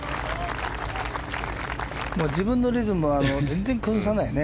自分のリズムを全然崩さないね。